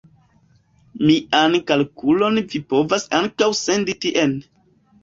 Mian kalkulon vi povas ankaŭ sendi tien.